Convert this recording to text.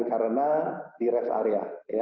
karena di rest area